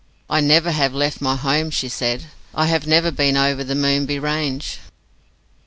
'I never have left my home,' she said, 'I have never been over the Moonbi Range.